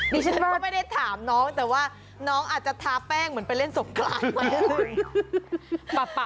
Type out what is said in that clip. นี่ฉันไม่ได้ถามน้องแต่ว่าน้องอาจจะทาแป้งเหมือนไปเล่นสมกลาง